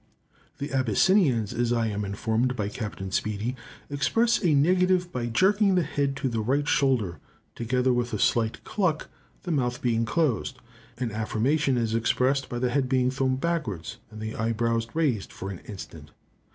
The Abyssinians, as I am informed by Captain Speedy, express a negative by jerking the head to the right shoulder, together with a slight cluck, the mouth being closed; an affirmation is expressed by the head being thrown backwards and the eyebrows raised for an instant.